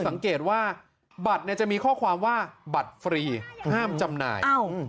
สังเกตว่าบัตรจะมีข้อความว่าบัตรฟรีห้ามจำหน่าย